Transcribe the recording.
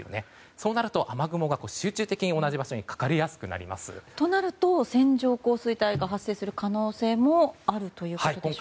そうなると雨雲が集中的に同じ場所にとなると線状降水帯が発生する可能性もあるということでしょうか。